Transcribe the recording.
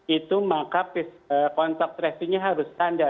itu maka kontak tracingnya harus standar